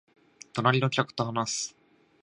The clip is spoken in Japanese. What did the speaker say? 隣の客と話す